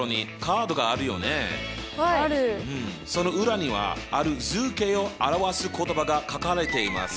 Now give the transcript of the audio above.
その裏にはある図形を表す言葉が書かれています。